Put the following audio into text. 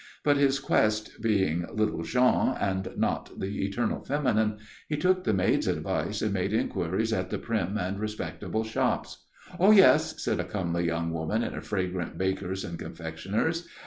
But his quest being little Jean and not the eternal feminine, he took the maid's advice and made enquiries at the prim and respectable shops. "Oh, yes," said a comely young woman in a fragrant bakers' and confectioners'.